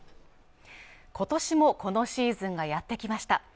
今年もこのシーズンがやってきました